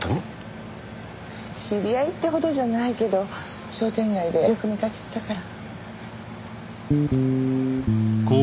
知り合いってほどじゃないけど商店街でよく見かけてたから。